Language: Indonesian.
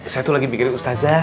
saya tuh lagi mikirin ustazah